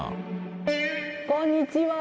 こんにちは！